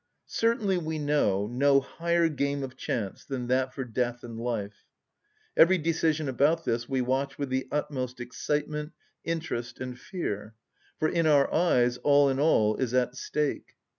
Certainly we know no higher game of chance than that for death and life. Every decision about this we watch with the utmost excitement, interest, and fear; for in our eyes all in all is at stake.